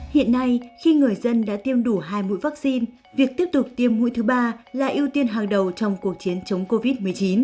hiện nay khi người dân đã tiêm đủ hai mũi vaccine việc tiếp tục tiêm mũi thứ ba là ưu tiên hàng đầu trong cuộc chiến chống covid một mươi chín